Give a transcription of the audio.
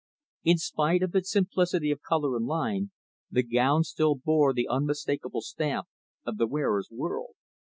In spite of its simplicity of color and line, the gown still bore the unmistakable stamp of the wearer's world.